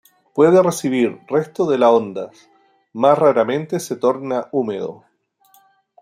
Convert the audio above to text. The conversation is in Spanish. Puede recibir restos de las ondas, más raramente se torna húmedo.